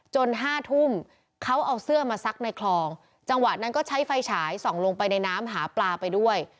ห้าทุ่มเขาเอาเสื้อมาซักในคลองจังหวะนั้นก็ใช้ไฟฉายส่องลงไปในน้ำหาปลาไปด้วย